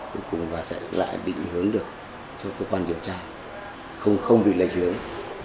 cuối cùng và sẽ lại định hướng được cho cơ quan điều tra không bị lây hướng